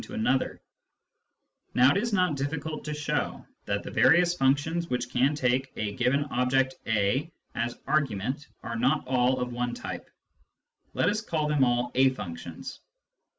Classes 189 Now it is not difficult to show that the various functions which can take a given object a as argument are not all of one type. Let us call them all a functions.